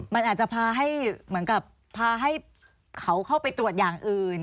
มันอาจจะพาให้เหมือนกับพาให้เขาเข้าไปตรวจอย่างอื่น